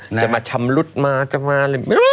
จะมาชำรุดจะมา